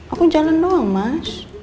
aku jalan doang mas